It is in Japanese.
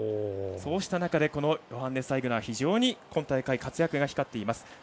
そうした中でヨハンネス・アイグナー非常に今大会活躍が光っています。